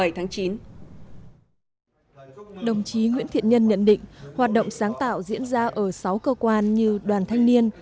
đồng chí nguyễn thiện nhân nhận định hoạt động sáng tạo diễn ra ở sáu cơ quan như đoàn thanh niên